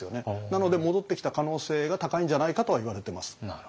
なので戻ってきた可能性が高いんじゃないかとはいわれてます。